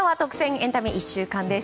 エンタメ１週間です。